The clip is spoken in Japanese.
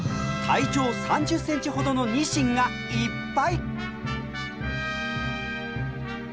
体長３０センチほどのニシンがいっぱい！